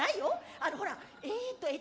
あのほらえっとえっと。